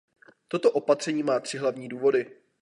Toto opatření má tři hlavní důvody.